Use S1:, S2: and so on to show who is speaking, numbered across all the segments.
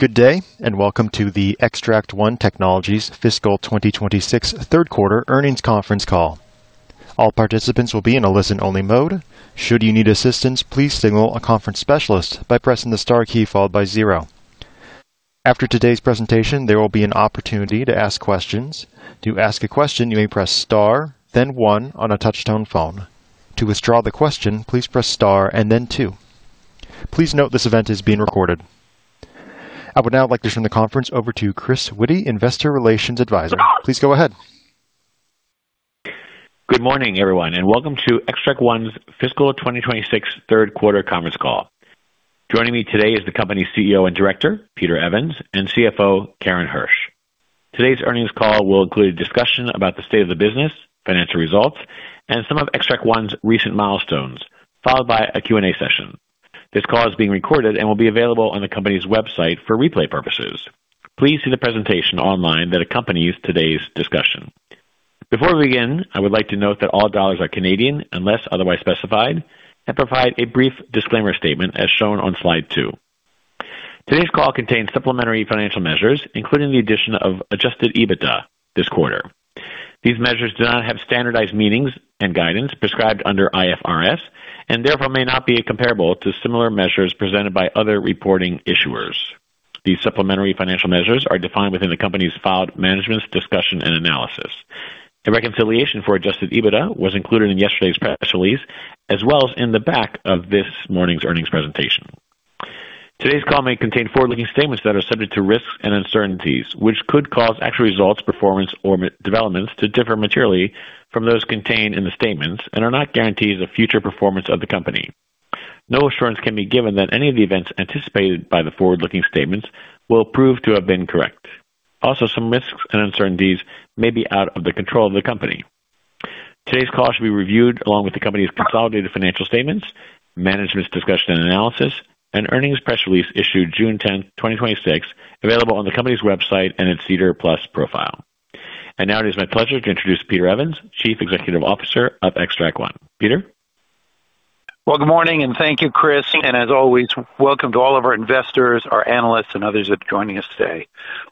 S1: Good day, and welcome to the Xtract One Technologies Fiscal 2026 Third Quarter Earnings Conference Call. All participants will be in a listen-only mode. Should you need assistance, please signal a conference specialist by pressing the star key followed by zero. After today's presentation, there will be an opportunity to ask questions. To ask a question, you may press star then one on a touch-tone phone. To withdraw the question, please press star and then two. Please note this event is being recorded. I would now like to turn the conference over to Chris Witty, Investor Relations Advisor. Please go ahead.
S2: Good morning, everyone, and welcome to Xtract One's Fiscal 2026 Third Quarter Conference Call. Joining me today is the company's CEO and Director, Peter Evans, and CFO, Karen Hersh. Today's earnings call will include a discussion about the state of the business, financial results, and some of Xtract One's recent milestones, followed by a Q&A session. This call is being recorded and will be available on the company's website for replay purposes. Please see the presentation online that accompanies today's discussion. Before we begin, I would like to note that all dollars are Canadian unless otherwise specified, and provide a brief disclaimer statement as shown on slide two. Today's call contains supplementary financial measures, including the addition of adjusted EBITDA this quarter. These measures do not have standardized meanings and guidance prescribed under IFRS, and therefore may not be comparable to similar measures presented by other reporting issuers. These supplementary financial measures are defined within the company's filed management's discussion and analysis. A reconciliation for adjusted EBITDA was included in yesterday's press release, as well as in the back of this morning's earnings presentation. Today's call may contain forward-looking statements that are subject to risks and uncertainties, which could cause actual results, performance, or developments to differ materially from those contained in the statements and are not guarantees of future performance of the company. No assurance can be given that any of the events anticipated by the forward-looking statements will prove to have been correct. Also, some risks and uncertainties may be out of the control of the company. Today's call should be reviewed along with the company's consolidated financial statements, management's discussion and analysis, and earnings press release issued June 10, 2026, available on the company's website and its SEDAR+ profile. Now it is my pleasure to introduce Peter Evans, Chief Executive Officer of Xtract One. Peter?
S3: Well, good morning, thank you, Chris. As always, welcome to all of our investors, our analysts, and others that are joining us today.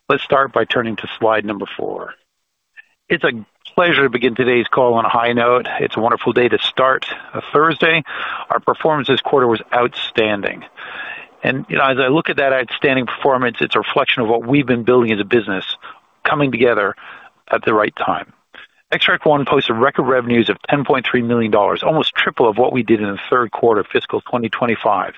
S3: Let's start by turning to slide number four. It's a pleasure to begin today's call on a high note. It's a wonderful day to start a Thursday. Our performance this quarter was outstanding. As I look at that outstanding performance, it's a reflection of what we've been building as a business coming together at the right time. Xtract One posted record revenues of 10.3 million dollars, almost triple of what we did in the third quarter of fiscal 2025,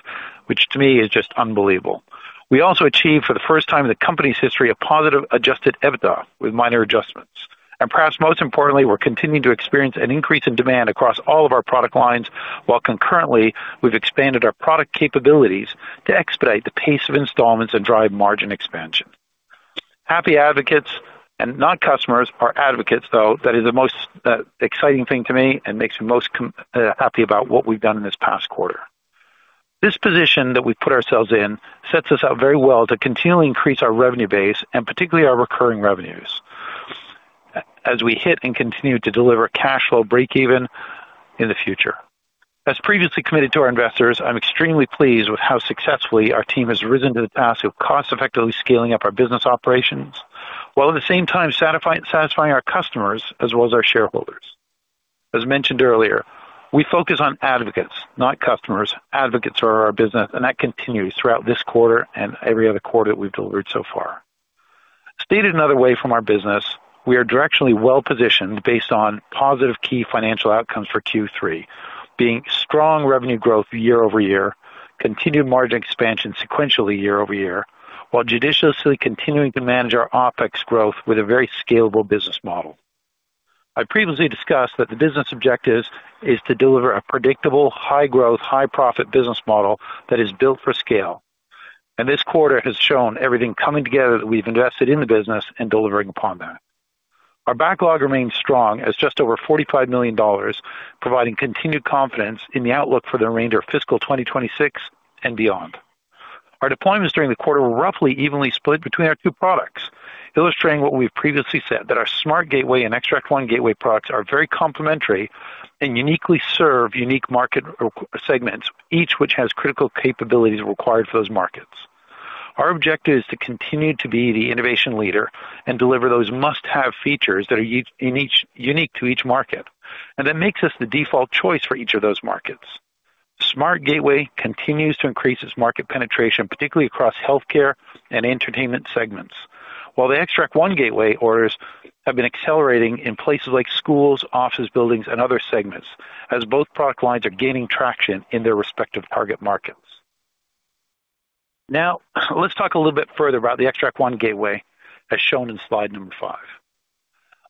S3: which to me is just unbelievable. We also achieved for the first time in the company's history a positive adjusted EBITDA with minor adjustments. Perhaps most importantly, we're continuing to experience an increase in demand across all of our product lines, while concurrently we've expanded our product capabilities to expedite the pace of installments and drive margin expansion. Happy advocates and not customers are advocates, though that is the most exciting thing to me and makes me most happy about what we've done in this past quarter. This position that we've put ourselves in sets us up very well to continually increase our revenue base and particularly our recurring revenues, as we hit and continue to deliver cash flow break even in the future. As previously committed to our investors, I'm extremely pleased with how successfully our team has risen to the task of cost effectively scaling up our business operations, while at the same time satisfying our customers as well as our shareholders. As mentioned earlier, we focus on advocates, not customers. Advocates are our business, that continues throughout this quarter and every other quarter that we've delivered so far. Stated another way from our business, we are directionally well-positioned based on positive key financial outcomes for Q3, being strong revenue growth year-over-year, continued margin expansion sequentially year-over-year, while judiciously continuing to manage our OpEx growth with a very scalable business model. I previously discussed that the business objective is to deliver a predictable, high-growth, high-profit business model that is built for scale, this quarter has shown everything coming together that we've invested in the business and delivering upon that. Our backlog remains strong as just over 45 million dollars, providing continued confidence in the outlook for the remainder of fiscal 2026 and beyond. Our deployments during the quarter were roughly evenly split between our two products, illustrating what we've previously said, that our SmartGateway and Xtract One Gateway products are very complementary and uniquely serve unique market segments, each which has critical capabilities required for those markets. Our objective is to continue to be the innovation leader and deliver those must-have features that are unique to each market, and that makes us the default choice for each of those markets. SmartGateway continues to increase its market penetration, particularly across healthcare and entertainment segments. While the Xtract One Gateway orders have been accelerating in places like schools, offices, buildings, and other segments, as both product lines are gaining traction in their respective target markets. Let's talk a little bit further about the Xtract One Gateway, as shown in slide number five.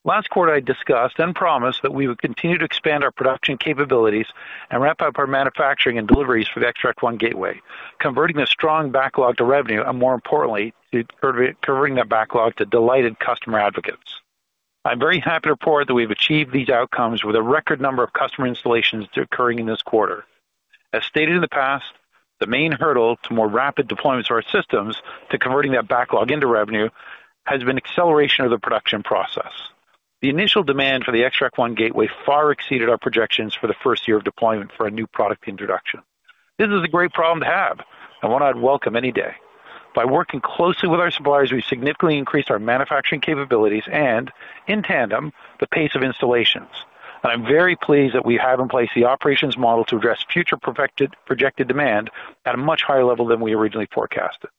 S3: Last quarter, I discussed and promised that we would continue to expand our production capabilities and ramp up our manufacturing and deliveries for the Xtract One Gateway, converting the strong backlog to revenue, and more importantly, converting that backlog to delighted customer advocates. I'm very happy to report that we've achieved these outcomes with a record number of customer installations occurring in this quarter. As stated in the past, the main hurdle to more rapid deployments of our systems to converting that backlog into revenue has been acceleration of the production process. The initial demand for the Xtract One Gateway far exceeded our projections for the first year of deployment for a new product introduction. This is a great problem to have, and one I'd welcome any day. By working closely with our suppliers, we've significantly increased our manufacturing capabilities and, in tandem, the pace of installations. I'm very pleased that we have in place the operations model to address future projected demand at a much higher level than we originally forecasted.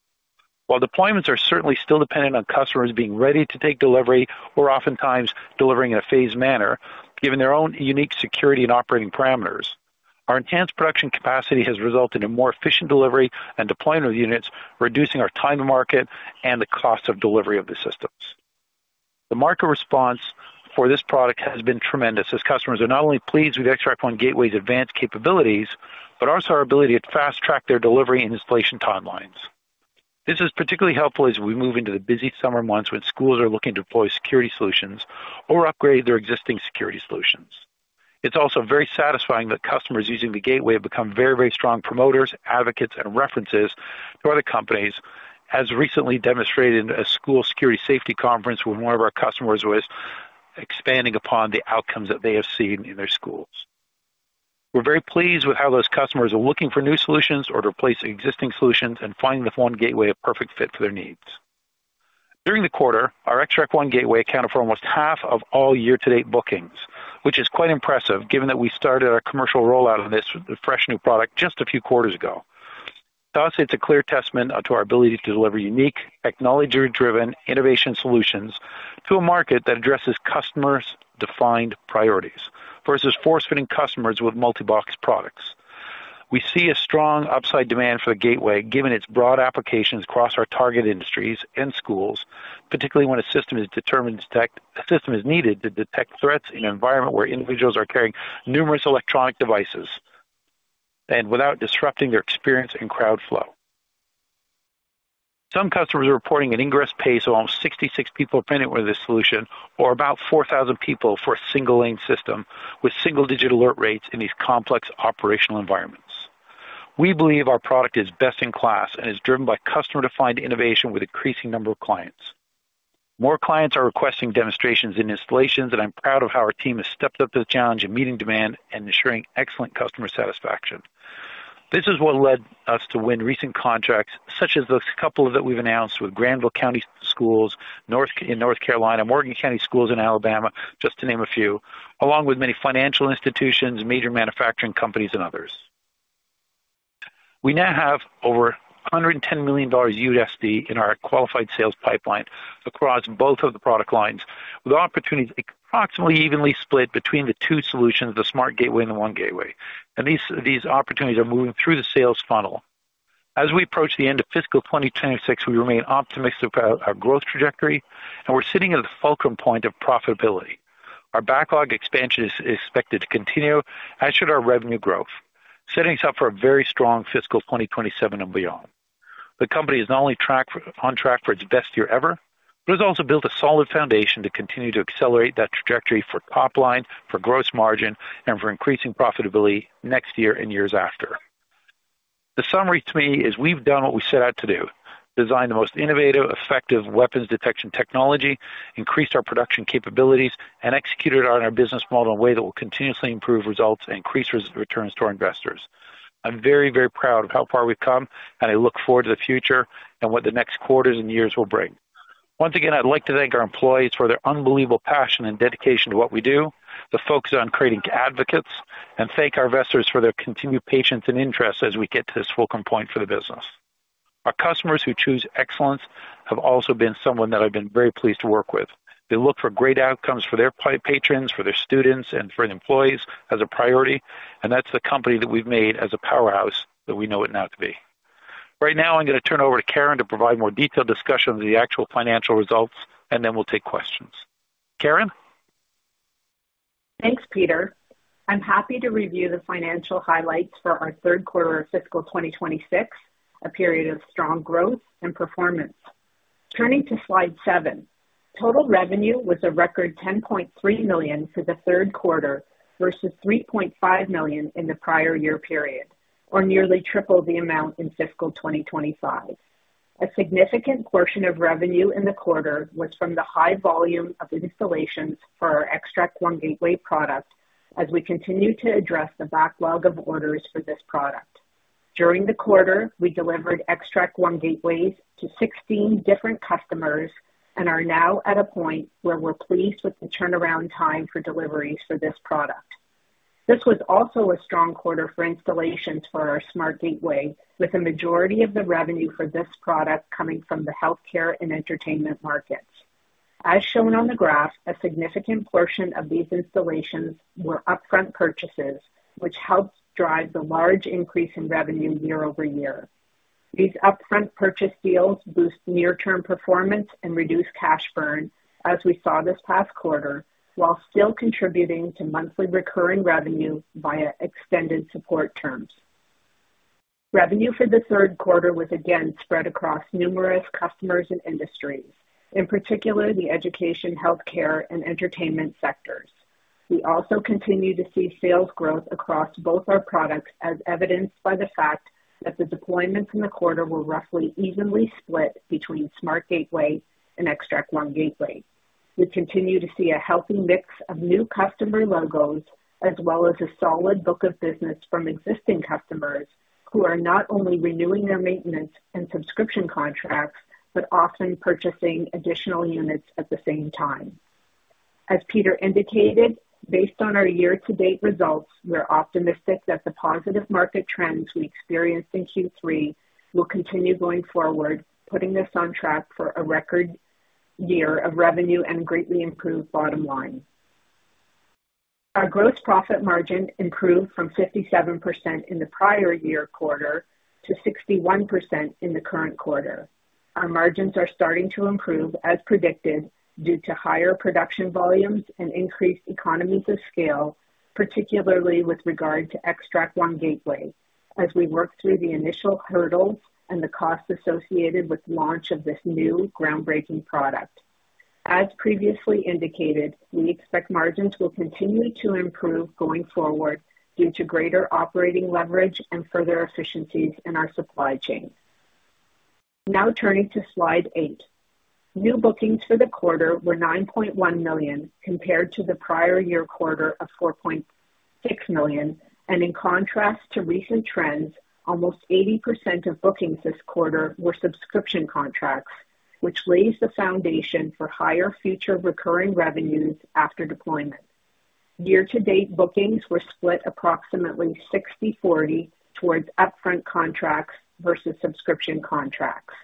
S3: While deployments are certainly still dependent on customers being ready to take delivery or oftentimes delivering in a phased manner, given their own unique security and operating parameters, our enhanced production capacity has resulted in more efficient delivery and deployment of units, reducing our time to market and the cost of delivery of the systems. The market response for this product has been tremendous as customers are not only pleased with Xtract One Gateway's advanced capabilities, but also our ability to fast-track their delivery and installation timelines. This is particularly helpful as we move into the busy summer months when schools are looking to deploy security solutions or upgrade their existing security solutions. It's also very satisfying that customers using the Gateway have become very, very strong promoters, advocates, and references to other companies, as recently demonstrated in a school security safety conference where one of our customers was expanding upon the outcomes that they have seen in their schools. We're very pleased with how those customers are looking for new solutions or to replace existing solutions and finding the One Gateway a perfect fit for their needs. During the quarter, our Xtract One Gateway accounted for almost half of all year-to-date bookings, which is quite impressive given that we started our commercial rollout of this fresh new product just a few quarters ago. To us, it's a clear testament to our ability to deliver unique, technology-driven innovation solutions to a market that addresses customers' defined priorities versus force-fitting customers with multi-box products. We see a strong upside demand for the Gateway given its broad applications across our target industries and schools, particularly when a system is needed to detect threats in an environment where individuals are carrying numerous electronic devices, and without disrupting their experience and crowd flow. Some customers are reporting an ingress pace of almost 66 people per minute with this solution or about 4,000 people for a single-lane system with single-digit alert rates in these complex operational environments. We believe our product is best in class and is driven by customer-defined innovation with increasing number of clients. More clients are requesting demonstrations and installations, and I'm proud of how our team has stepped up to the challenge of meeting demand and ensuring excellent customer satisfaction. This is what led us to win recent contracts such as those couple that we've announced with Granville County Schools in North Carolina, Morgan County Schools in Alabama, just to name a few, along with many financial institutions, major manufacturing companies, and others. We now have over $110 million USD in our qualified sales pipeline across both of the product lines, with opportunities approximately evenly split between the two solutions, the SmartGateway and the One Gateway. These opportunities are moving through the sales funnel. As we approach the end of fiscal 2026, we remain optimistic about our growth trajectory, and we're sitting at a fulcrum point of profitability. Our backlog expansion is expected to continue, as should our revenue growth, setting us up for a very strong fiscal 2027 and beyond. The company is not only on track for its best year ever, but has also built a solid foundation to continue to accelerate that trajectory for top line, for gross margin, for increasing profitability next year and years after. The summary to me is we've done what we set out to do, design the most innovative, effective weapons detection technology, increased our production capabilities, executed on our business model in a way that will continuously improve results and increase returns to our investors. I'm very, very proud of how far we've come, and I look forward to the future and what the next quarters and years will bring. Once again, I'd like to thank our employees for their unbelievable passion and dedication to what we do, the focus on creating advocates, and thank our investors for their continued patience and interest as we get to this fulcrum point for the business. Our customers who choose excellence have also been someone that I've been very pleased to work with. They look for great outcomes for their patrons, for their students, and for the employees as a priority, that's the company that we've made as a powerhouse that we know it now to be. Right now, I'm going to turn it over to Karen to provide a more detailed discussion of the actual financial results, then we'll take questions. Karen?
S4: Thanks, Peter. I'm happy to review the financial highlights for our third quarter of fiscal 2026, a period of strong growth and performance. Turning to slide seven. Total revenue was a record 10.3 million for the third quarter versus 3.5 million in the prior year period, or nearly triple the amount in fiscal 2025. A significant portion of revenue in the quarter was from the high volume of installations for our Xtract One Gateway product as we continue to address the backlog of orders for this product. During the quarter, we delivered Xtract One Gateways to 16 different customers and are now at a point where we're pleased with the turnaround time for deliveries for this product. This was also a strong quarter for installations for our SmartGateway, with a majority of the revenue for this product coming from the healthcare and entertainment markets. As shown on the graph, a significant portion of these installations were upfront purchases, which helped drive the large increase in revenue year-over-year. These upfront purchase deals boost near-term performance and reduce cash burn, as we saw this past quarter, while still contributing to monthly recurring revenue via extended support terms. Revenue for the third quarter was again spread across numerous customers and industries, in particular the education, healthcare, and entertainment sectors. We also continue to see sales growth across both our products, as evidenced by the fact that the deployments in the quarter were roughly evenly split between SmartGateway and Xtract One Gateway. We continue to see a healthy mix of new customer logos, as well as a solid book of business from existing customers who are not only renewing their maintenance and subscription contracts, but often purchasing additional units at the same time. As Peter indicated, based on our year-to-date results, we're optimistic that the positive market trends we experienced in Q3 will continue going forward, putting us on track for a record year of revenue and greatly improved bottom line. Our gross profit margin improved from 57% in the prior year quarter to 61% in the current quarter. Our margins are starting to improve as predicted, due to higher production volumes and increased economies of scale, particularly with regard to Xtract One Gateway, as we work through the initial hurdles and the costs associated with launch of this new groundbreaking product. As previously indicated, we expect margins will continue to improve going forward due to greater operating leverage and further efficiencies in our supply chain. Now, turning to slide eight. New bookings for the quarter were 9.1 million compared to the prior year quarter of 4.6 million. In contrast to recent trends, almost 80% of bookings this quarter were subscription contracts, which lays the foundation for higher future recurring revenues after deployment. Year-to-date bookings were split approximately 60/40 towards upfront contracts versus subscription contracts.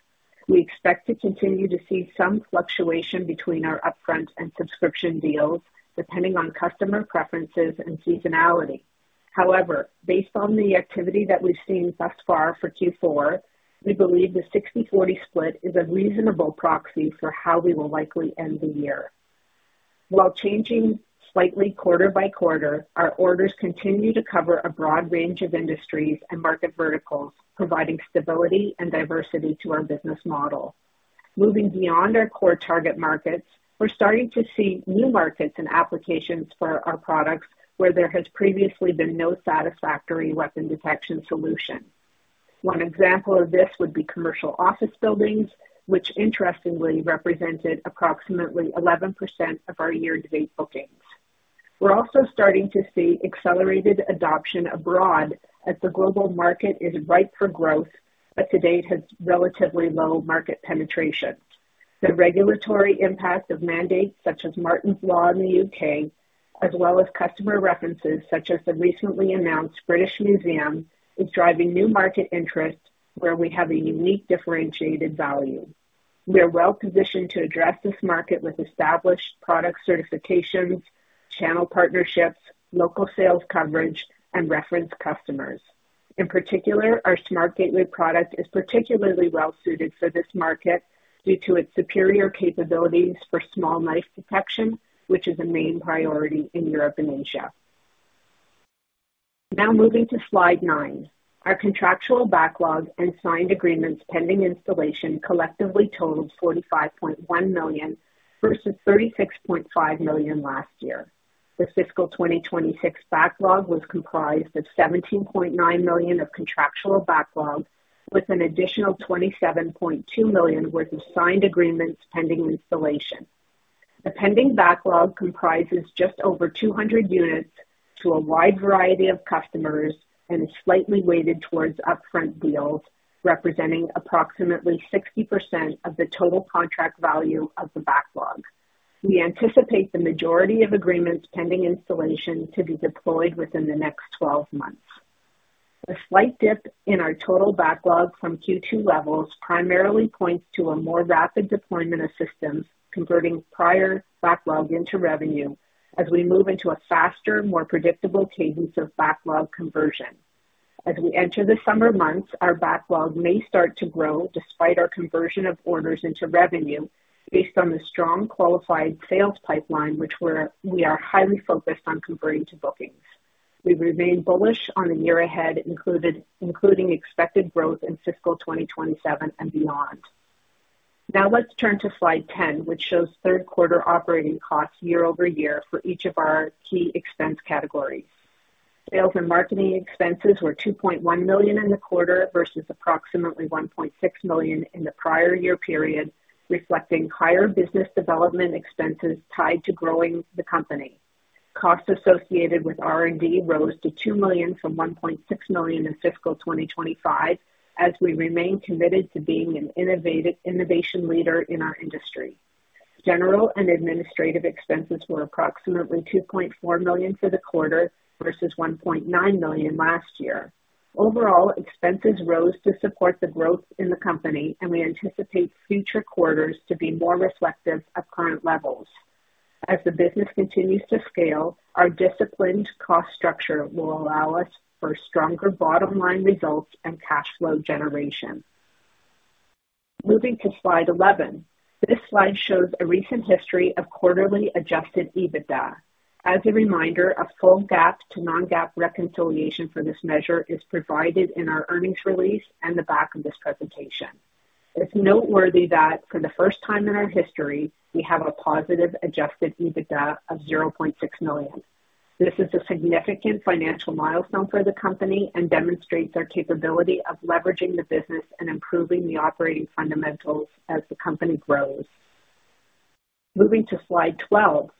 S4: We expect to continue to see some fluctuation between our upfront and subscription deals, depending on customer preferences and seasonality. Based on the activity that we've seen thus far for Q4, we believe the 60/40 split is a reasonable proxy for how we will likely end the year. Changing slightly quarter-by-quarter, our orders continue to cover a broad range of industries and market verticals, providing stability and diversity to our business model. Moving beyond our core target markets, we're starting to see new markets and applications for our products where there has previously been no satisfactory weapon detection solution. One example of this would be commercial office buildings, which interestingly represented approximately 11% of our year-to-date bookings. We're also starting to see accelerated adoption abroad as the global market is ripe for growth, but to date has relatively low market penetration. The regulatory impact of mandates such as Martyn's Law in the U.K., as well as customer references such as the recently announced British Museum, is driving new market interest where we have a unique differentiated value. We are well-positioned to address this market with established product certifications, channel partnerships, local sales coverage, and reference customers. In particular, our SmartGateway product is particularly well-suited for this market due to its superior capabilities for small knife detection, which is a main priority in Europe and Asia. Moving to slide nine. Our contractual backlog and signed agreements pending installation collectively totaled 45.1 million versus 36.5 million last year. The fiscal 2026 backlog was comprised of 17.9 million of contractual backlog with an additional 27.2 million worth of signed agreements pending installation. The pending backlog comprises just over 200 units to a wide variety of customers and is slightly weighted towards upfront deals, representing approximately 60% of the total contract value of the backlog. We anticipate the majority of agreements pending installation to be deployed within the next 12 months. The slight dip in our total backlog from Q2 levels primarily points to a more rapid deployment of systems converting prior backlog into revenue as we move into a faster, more predictable cadence of backlog conversion. As we enter the summer months, our backlog may start to grow despite our conversion of orders into revenue based on the strong qualified sales pipeline, which we are highly focused on converting to bookings. We remain bullish on the year ahead, including expected growth in fiscal 2027 and beyond. Now let's turn to slide 10, which shows third quarter operating costs year-over-year for each of our key expense categories. Sales and marketing expenses were 2.1 million in the quarter versus approximately 1.6 million in the prior year period, reflecting higher business development expenses tied to growing the company. Costs associated with R&D rose to 2 million from 1.6 million in fiscal 2025, as we remain committed to being an innovation leader in our industry. General and administrative expenses were approximately 2.4 million for the quarter versus 1.9 million last year. Overall, expenses rose to support the growth in the company, and we anticipate future quarters to be more reflective of current levels. As the business continues to scale, our disciplined cost structure will allow us for stronger bottom-line results and cash flow generation. Moving to slide 11. This slide shows a recent history of quarterly adjusted EBITDA. As a reminder, a full GAAP to non-GAAP reconciliation for this measure is provided in our earnings release and the back of this presentation. It's noteworthy that for the first time in our history, we have a positive adjusted EBITDA of 0.6 million. This is a significant financial milestone for the company and demonstrates our capability of leveraging the business and improving the operating fundamentals as the company grows. Moving to slide 12.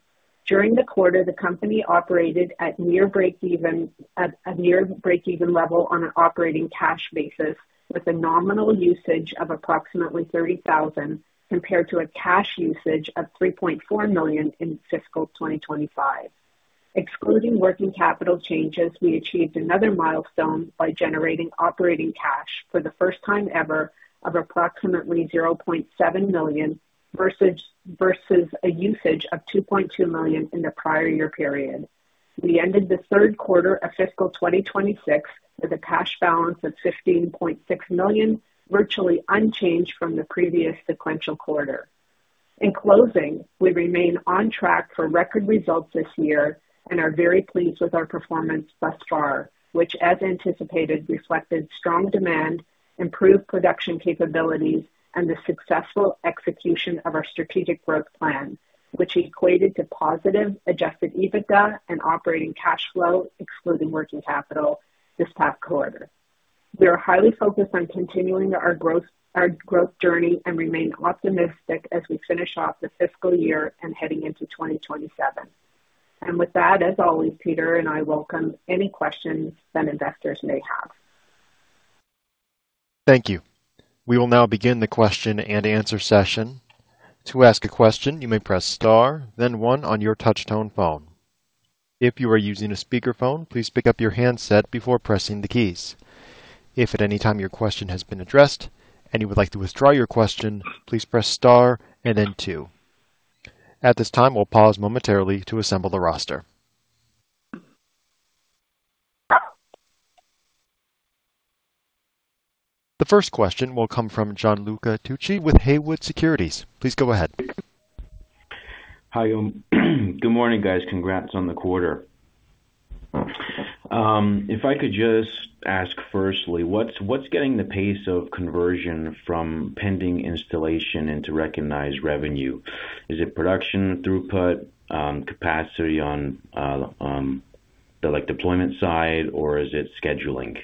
S4: During the quarter, the company operated at near breakeven level on an operating cash basis with a nominal usage of approximately 30,000, compared to a cash usage of 3.4 million in fiscal 2025. Excluding working capital changes, we achieved another milestone by generating operating cash for the first time ever of approximately 0.7 million versus a usage of 2.2 million in the prior year period. We ended the third quarter of fiscal 2026 with a cash balance of 15.6 million, virtually unchanged from the previous sequential quarter. In closing, we remain on track for record results this year and are very pleased with our performance thus far, which, as anticipated, reflected strong demand, improved production capabilities, and the successful execution of our strategic growth plan, which equated to positive adjusted EBITDA and operating cash flow excluding working capital this past quarter. We are highly focused on continuing our growth journey and remain optimistic as we finish off the fiscal year and heading into 2027. With that, as always, Peter and I welcome any questions that investors may have.
S1: Thank you. We will now begin the question and answer session. To ask a question, you may press star then one on your touchtone phone. If you are using a speakerphone, please pick up your handset before pressing the keys. If at any time your question has been addressed and you would like to withdraw your question, please press star and then two. At this time, we'll pause momentarily to assemble the roster. The first question will come from Gianluca Tucci with Haywood Securities. Please go ahead.
S5: Hi. Good morning, guys. Congrats on the quarter. If I could just ask, firstly, what's getting the pace of conversion from pending installation into recognized revenue? Is it production throughput, capacity on the deployment side, or is it scheduling?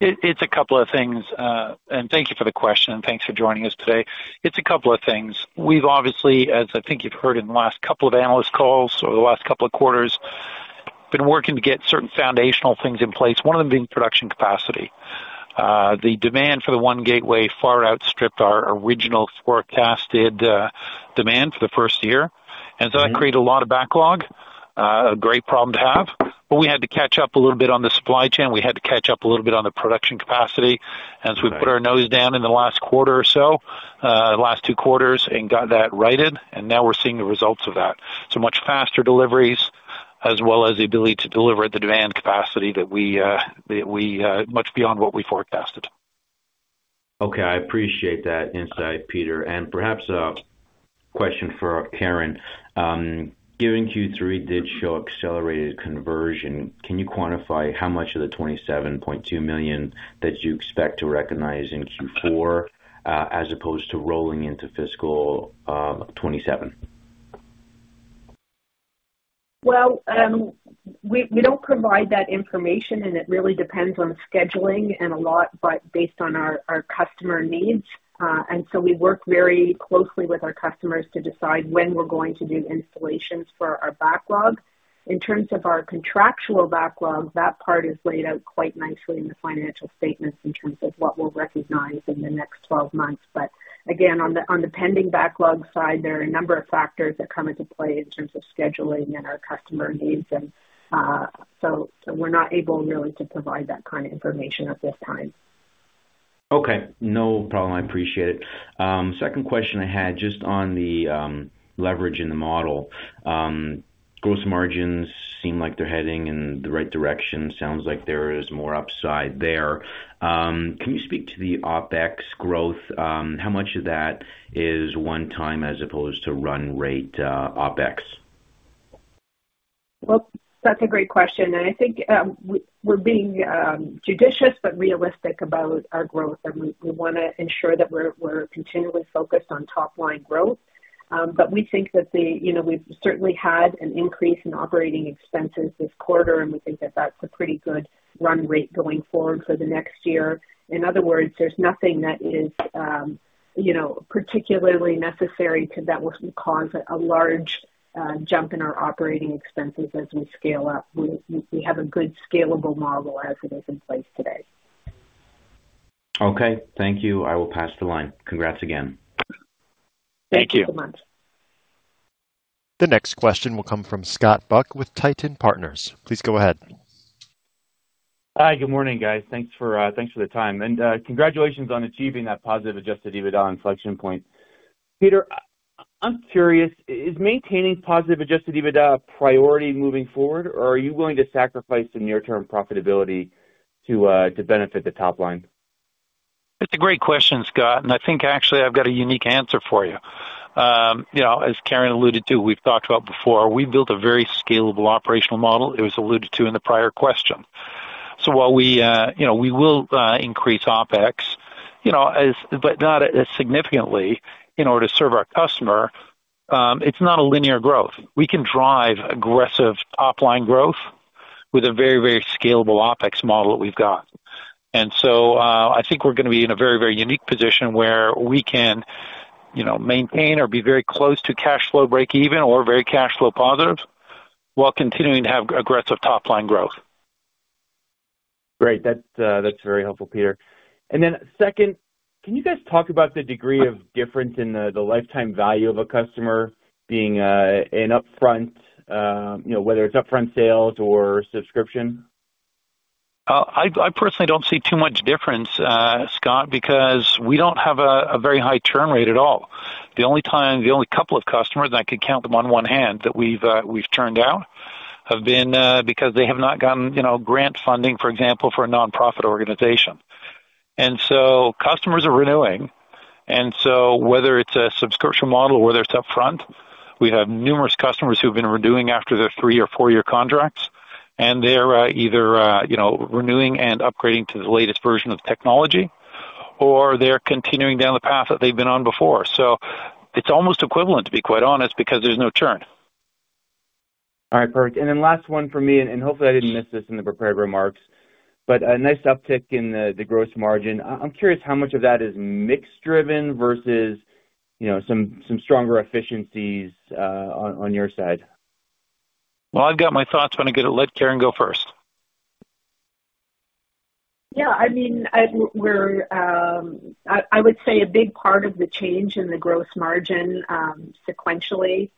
S3: It's a couple of things. Thank you for the question, and thanks for joining us today. It's a couple of things. We've obviously, as I think you've heard in the last couple of analyst calls or the last couple of quarters, been working to get certain foundational things in place, one of them being production capacity. The demand for the One Gateway far outstripped our original forecasted demand for the first year, and so that created a lot of backlog. A great problem to have, but we had to catch up a little bit on the supply chain. We had to catch up a little bit on the production capacity, and so we put our nose down in the last quarter or so, the last two quarters, and got that righted, and now we're seeing the results of that. Much faster deliveries, as well as the ability to deliver at the demand capacity much beyond what we forecasted.
S5: Okay, I appreciate that insight, Peter. Perhaps a question for Karen. Given Q3 did show accelerated conversion, can you quantify how much of the 27.2 million that you expect to recognize in Q4, as opposed to rolling into fiscal 2027?
S4: Well, we don't provide that information, and it really depends on scheduling and a lot but based on our customer needs. We work very closely with our customers to decide when we're going to do installations for our backlog. In terms of our contractual backlog, that part is laid out quite nicely in the financial statements in terms of what we'll recognize in the next 12 months. Again, on the pending backlog side, there are a number of factors that come into play in terms of scheduling and our customer needs, so we're not able really to provide that kind of information at this time.
S5: Okay. No problem. I appreciate it. Second question I had, just on the leverage in the model. Gross margins seem like they're heading in the right direction. Sounds like there is more upside there. Can you speak to the OpEx growth? How much of that is one time as opposed to run rate OpEx?
S4: That's a great question, and I think we're being judicious but realistic about our growth, and we want to ensure that we're continually focused on top-line growth. But we think that we've certainly had an increase in operating expenses this quarter. We think that that's a pretty good run rate going forward for the next year. In other words, there's nothing that is particularly necessary that will cause a large jump in our operating expenses as we scale up. We have a good scalable model as it is in place today.
S5: Okay. Thank you. I will pass the line. Congrats again.
S3: Thank you.
S4: Thanks so much.
S1: The next question will come from Scott Buck with H.C. Wainwright. Please go ahead.
S6: Hi. Good morning, guys. Thanks for the time. Congratulations on achieving that positive adjusted EBITDA inflection point. Peter, I'm curious, is maintaining positive adjusted EBITDA a priority moving forward, or are you willing to sacrifice some near-term profitability to benefit the top line?
S3: It's a great question, Scott, and I think actually I've got a unique answer for you. As Karen alluded to, we've talked about before, we've built a very scalable operational model. It was alluded to in the prior question. While we, we will increase OpEx, but not as significantly in order to serve our customer, it's not a linear growth. We can drive aggressive top-line growth with a very scalable OpEx model that we've got. I think we're going to be in a very unique position where we can maintain or be very close to cash flow breakeven or very cash flow positive while continuing to have aggressive top-line growth.
S6: Great. That's very helpful, Peter. Then second, can you guys talk about the degree of difference in the lifetime value of a customer being an upfront, whether it's upfront sales or subscription?
S3: I personally don't see too much difference, Scott, because we don't have a very high churn rate at all. The only couple of customers, and I could count them on one hand, that we've churned out have been because they have not gotten grant funding, for example, for a non-profit organization. Customers are renewing, so whether it's a subscription model or whether it's upfront, we have numerous customers who've been renewing after their three-year or four-year contracts, and they're either renewing and upgrading to the latest version of technology, or they're continuing down the path that they've been on before. It's almost equivalent, to be quite honest, because there's no churn.
S6: All right, perfect. Last one for me, hopefully I didn't miss this in the prepared remarks, but a nice uptick in the gross margin. I'm curious how much of that is mix driven versus some stronger efficiencies on your side.
S3: Well, I've got my thoughts, but I'm going to let Karen go first.
S4: Yeah. I mean, I would say a big part of the change in the gross margin sequentially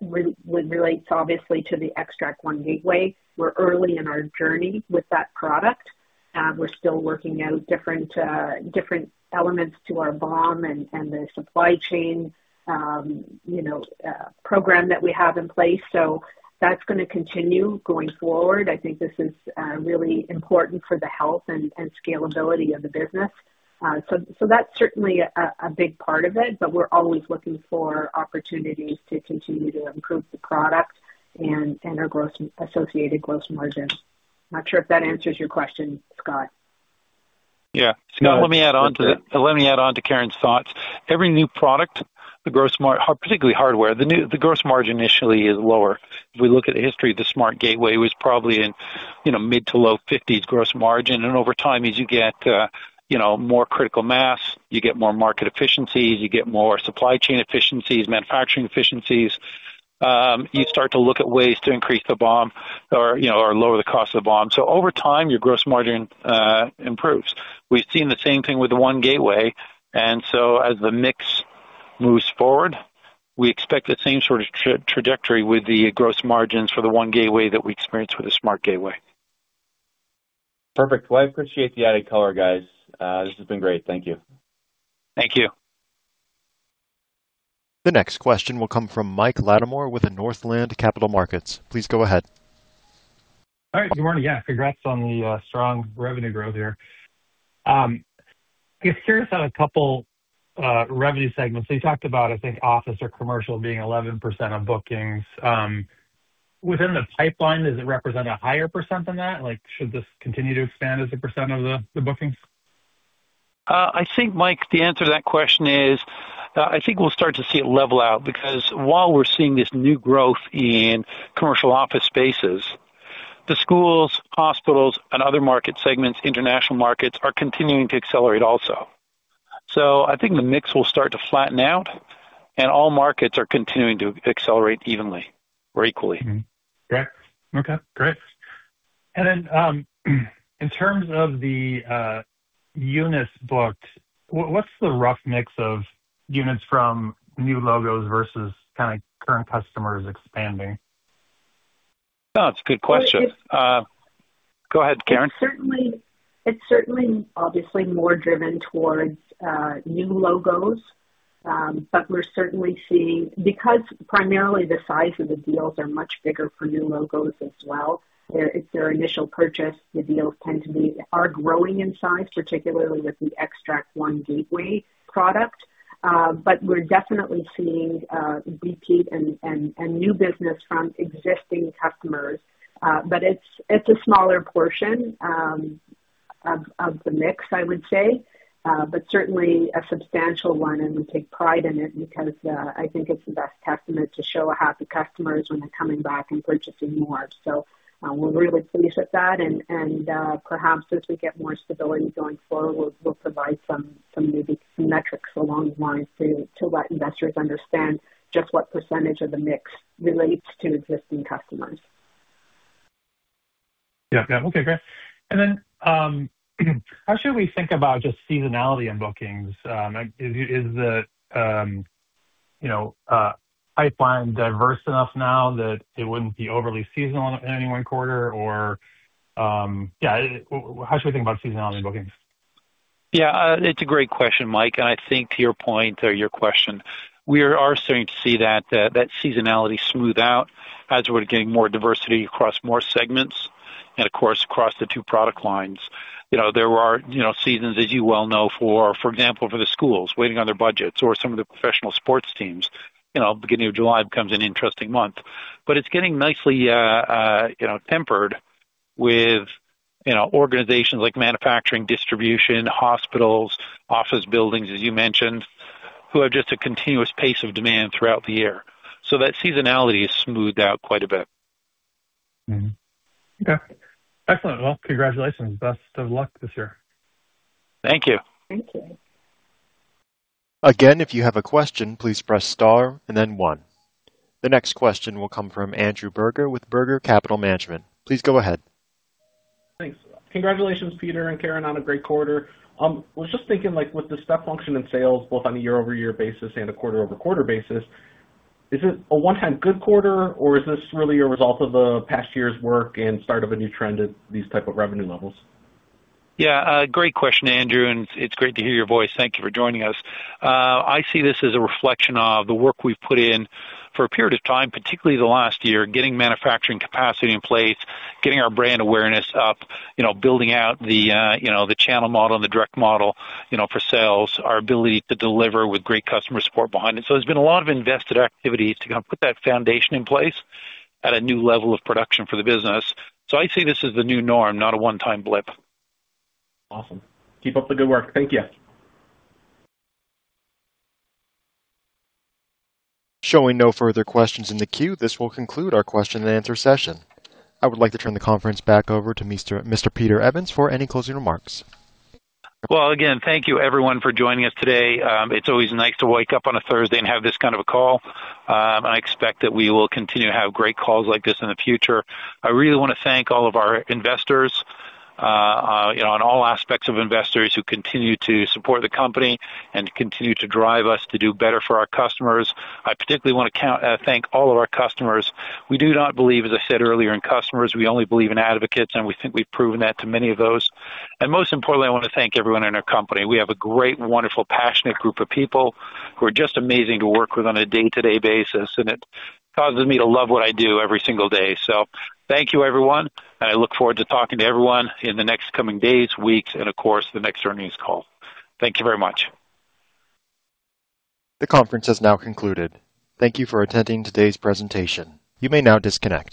S4: would relate obviously to the Xtract One Gateway. We're early in our journey with that product. We're still working out different elements to our BOM and the supply chain program that we have in place. That's going to continue going forward. I think this is really important for the health and scalability of the business. That's certainly a big part of it, but we're always looking for opportunities to continue to improve the product and our associated gross margin. Not sure if that answers your question, Scott.
S3: Yeah.
S6: It does.
S3: Scott, let me add on to Karen's thoughts. Every new product, particularly hardware, the gross margin initially is lower. If we look at the history of the SmartGateway, it was probably in mid to low 50s gross margin. Over time, as you get more critical mass, you get more market efficiencies, you get more supply chain efficiencies, manufacturing efficiencies. You start to look at ways to increase the BOM or lower the cost of the BOM. So over time, your gross margin improves. We've seen the same thing with the OneGateway. As the mix moves forward, we expect the same sort of trajectory with the gross margins for the OneGateway that we experienced with the SmartGateway.
S6: Perfect. Well, I appreciate the added color, guys. This has been great. Thank you.
S3: Thank you.
S1: The next question will come from Mike Latimore with Northland Capital Markets. Please go ahead.
S7: All right. Good morning. Yeah, congrats on the strong revenue growth here. Just curious on a couple revenue segments. You talked about, I think, office or commercial being 11% of bookings. Within the pipeline, does it represent a higher percent than that? Should this continue to expand as a percent of the bookings?
S3: I think, Mike, the answer to that question is, I think we'll start to see it level out because while we're seeing this new growth in commercial office spaces, the schools, hospitals, and other market segments, international markets, are continuing to accelerate also. I think the mix will start to flatten out, and all markets are continuing to accelerate evenly or equally.
S7: Okay, great. In terms of the units booked, what's the rough mix of units from new logos versus kind of current customers expanding?
S3: That's a good question. Go ahead, Karen.
S4: It's certainly obviously more driven towards new logos. We're certainly seeing, because primarily the size of the deals are much bigger for new logos as well. It's their initial purchase, the deals are growing in size, particularly with the Xtract One Gateway product. But we're definitely seeing repeat and new business from existing customers. It's a smaller portion of the mix, I would say. Certainly a substantial one, and we take pride in it because I think it's the best testament to show happy customers when they're coming back and purchasing more. We're really pleased with that, and perhaps as we get more stability going forward, we'll provide some maybe metrics along the line to let investors understand just what percentage of the mix relates to existing customers.
S7: Yeah. Okay, great. How should we think about just seasonality in bookings? Is the pipeline diverse enough now that it wouldn't be overly seasonal in any one quarter or how should we think about seasonality in bookings?
S3: Yeah. It's a great question, Mike. I think to your point or your question, we are starting to see that seasonality smooth out as we're getting more diversity across more segments. Of course, across the two product lines, there are seasons, as you well know, for example, for the schools waiting on their budgets or some of the professional sports teams, beginning of July becomes an interesting month. It's getting nicely tempered with organizations like manufacturing, distribution, hospitals, office buildings, as you mentioned, who have just a continuous pace of demand throughout the year. So, that seasonality is smoothed out quite a bit.
S7: Okay. Excellent. Well, congratulations. Best of luck this year.
S3: Thank you.
S4: Thank you.
S1: Again, if you have a question, please press star and then one. The next question will come from Andrew Berger with Berger Capital Management. Please go ahead.
S8: Thanks. Congratulations, Peter and Karen, on a great quarter. I was just thinking, with the step function in sales, both on a year-over-year basis and a quarter-over-quarter basis, is it a one-time good quarter, or is this really a result of the past year's work and start of a new trend at these type of revenue levels?
S3: Yeah. Great question, Andrew, and it's great to hear your voice. Thank you for joining us. I see this as a reflection of the work we've put in for a period of time, particularly the last year, getting manufacturing capacity in place, getting our brand awareness up, building out the channel model and the direct model for sales, our ability to deliver with great customer support behind it. So, there's been a lot of invested activity to kind of put that foundation in place at a new level of production for the business. I see this as the new norm, not a one-time blip.
S8: Awesome. Keep up the good work. Thank you.
S1: Showing no further questions in the queue, this will conclude our question and answer session. I would like to turn the conference back over to Mr. Peter Evans for any closing remarks.
S3: Well, again, thank you everyone for joining us today. It's always nice to wake up on a Thursday and have this kind of a call. I expect that we will continue to have great calls like this in the future. I really want to thank all of our investors, on all aspects of investors who continue to support the company and continue to drive us to do better for our customers. I particularly want to thank all of our customers. We do not believe, as I said earlier, in customers, we only believe in advocates, and we think we've proven that to many of those. And most importantly, I want to thank everyone in our company. We have a great, wonderful, passionate group of people who are just amazing to work with on a day-to-day basis, and it causes me to love what I do every single day. So, thank you, everyone, and I look forward to talking to everyone in the next coming days, weeks, and of course, the next earnings call. Thank you very much.
S1: The conference has now concluded. Thank you for attending today's presentation. You may now disconnect.